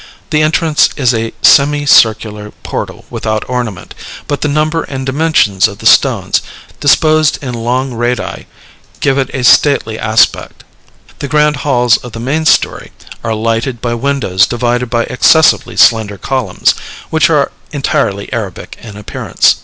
The entrance is a semi circular portal without ornament; but the number and dimensions of the stones, disposed in long radii, give it a stately aspect. The grand halls of the main story are lighted by windows divided by excessively slender columns, which are entirely Arabic in appearance.